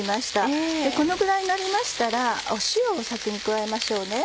このぐらいになりましたら塩を先に加えましょうね。